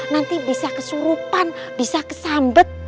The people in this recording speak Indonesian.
nanti bisa kesurupan bisa kesambet